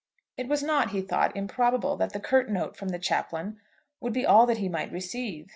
It was not, he thought, improbable, that the curt note from the chaplain would be all that he might receive.